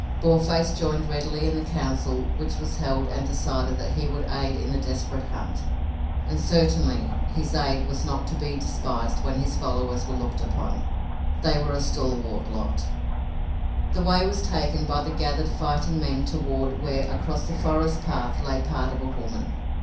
Boarface joined readily in the council which was held and decided that he would aid in the desperate hunt, and certainly his aid was not to be despised when his followers were looked upon. They were a stalwart lot. The way was taken by the gathered fighting men toward where, across the forest path, lay part of a woman.